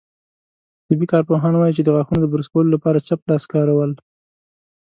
طبي کارپوهان وايي، چې د غاښونو د برس کولو لپاره چپ لاس کارول